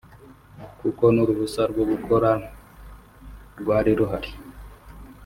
kuko n’uruhusa rwo gukora rwari ruhari